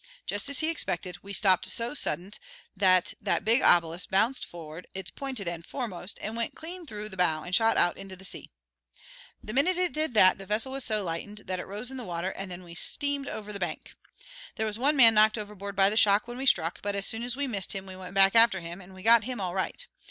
Just as he expected, we stopped so suddint that that big obelisk bounced for'ard, its p'inted end foremost, and went clean through the bow and shot out into the sea. The minute it did that the vessel was so lightened that it rose in the water and we then steamed over the bank. There was one man knocked overboard by the shock when we struck, but as soon as we missed him we went back after him and we got him all right.